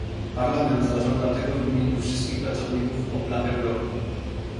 Parlament zażąda tego w imieniu wszystkich pracowników Opla Europy